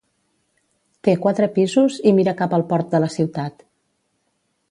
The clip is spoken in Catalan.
Té quatre pisos i mira cap al port de la ciutat.